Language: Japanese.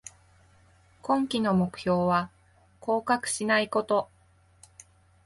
今季の目標は降格しないこと